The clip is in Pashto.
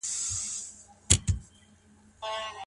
ابليس له شيطانانو څخه څه غواړي؟